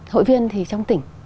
hội viên thì trong tỉnh